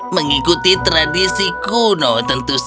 mengikuti tradisi kuno tentu saja